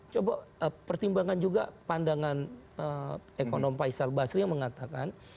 coba pertimbangkan juga pandangan ekonomi pak issal basri yang mengatakan